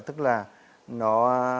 tức là nó